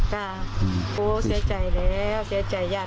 โหเสียใจแล้ว